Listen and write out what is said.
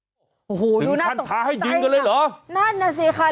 โอ้โหดูนะท่านท้าให้ยิงกันเลยเหรอนั่นน่ะสิค่ะ